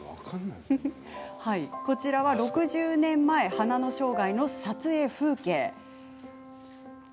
こちらは６０年前「花の生涯」の撮影風景。